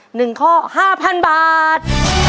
หนึ่งข้อห้าพันบาท